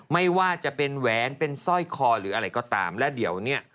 ไม่ว่าจะเป็นแหวนเป็นสร้อยคอหรืออะไรก็ตามและเดี๋ยวเนี่ย